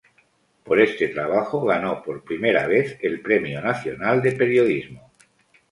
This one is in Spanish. Por este trabajo ganó por primera vez el Premio Nacional de Periodismo.